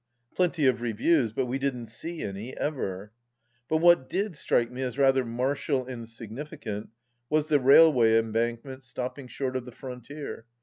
Plenty of reviews, but we didn't see any, ever ! But what did strike me as rather martial and significant was the railway embankments stopping short of the frontier.